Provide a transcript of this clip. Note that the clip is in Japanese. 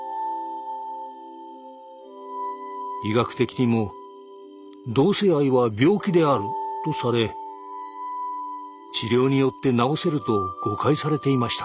医学的にも「同性愛は病気である」とされ治療によって治せると誤解されていました。